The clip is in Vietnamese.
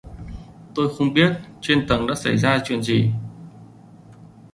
tôi không biết trên tầng đã xảy ra chuyện gì